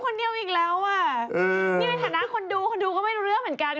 นี่เป็นฐานะคนดูคนดูก็ไม่รู้เรื่องเหมือนกัน